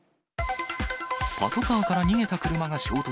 パトカーから逃げた車が衝突。